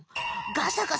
ガサガサ